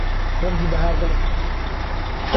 وەرزی بەهار گەلێک خۆشە.